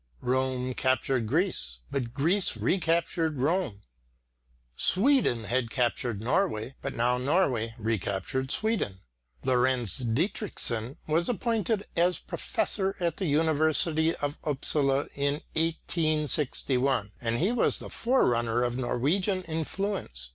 Rome captured Greece, but Greece re captured Rome. Sweden had captured Norway, but now Norway re captured Sweden. Lorenz Dietrichson was appointed as professor at the university of Upsala in 1861, and he was the forerunner of Norwegian influence.